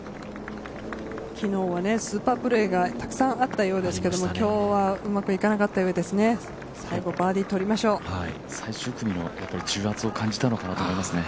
昨日はスーパープレーがたくさんあったみたいですけど今日はうまくいかなかったようですね、最後バーディー取りましょう最終組の重圧を感じたのかなと思いますね。